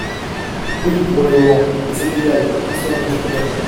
Oui, pour le moment ; mais c’est égal, tout cela m’inquiète bien.